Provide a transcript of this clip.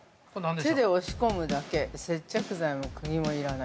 ◆手で押し込むだけ接着剤も釘も要らない。